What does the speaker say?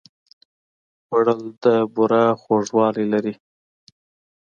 خوړل د بوره خوږوالی لري